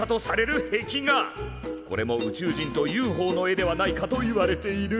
これも宇宙人とＵＦＯの絵ではないかといわれている。